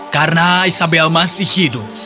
karena isabel masih hidup